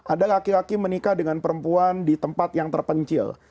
ada laki laki menikah dengan perempuan di tempat yang terpencil